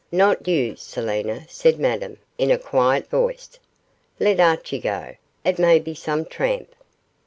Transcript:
'Not you, Selina,' said Madame, in a quiet voice; 'let Archie go; it may be some tramp.